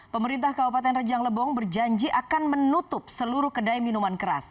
pemerintah kabupaten rejang lebong berjanji akan menutup seluruh kedai minuman keras